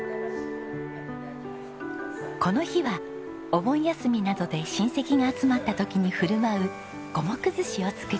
この日はお盆休みなどで親戚が集まった時に振る舞う五目寿司を作ります。